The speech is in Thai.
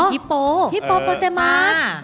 อ๋อฮิปโปฮิปโปเตมัส